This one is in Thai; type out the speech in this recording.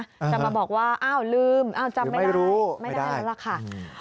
จะมาบอกว่าอ้าวลืมจำไม่ได้ไม่ได้แล้วล่ะค่ะ